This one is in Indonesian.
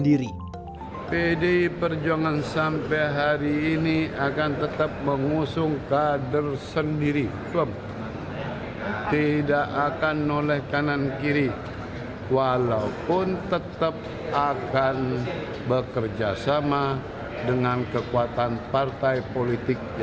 dan kadernya sendiri